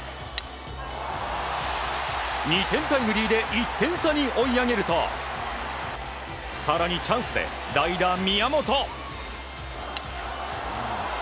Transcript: ２点タイムリーで１点差に追い上げると更にチャンスで代打、宮本。